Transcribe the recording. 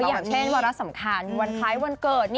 อย่างเช่นวาระสำคัญวันคล้ายวันเกิด